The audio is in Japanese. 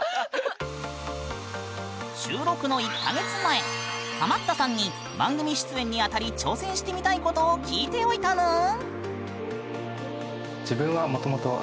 収録の１か月前ハマったさんに番組出演にあたり挑戦してみたいことを聞いておいたぬん！